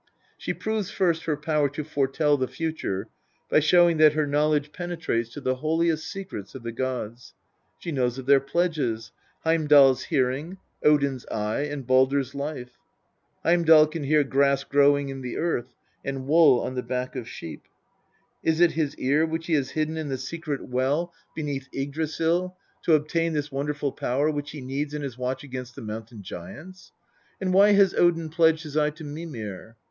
She proves first her power to foretell the future by showing that her knowledge penetrates to the holiest secrets of the gods. She knows of their pledges Heimdal's hearing, Odin's eye, and Baldr's life. Heimdal can hear grass growing in the earth, and wool on the back of sheep. Is it his ear which he has hidden in the sacred well Lxxviri THE POETIC EDDA. beneath Yggdrasil to obtain this wonderful power which he needs in his watch against the Mountain giants ? And why has Odin pledged his eye to Mimir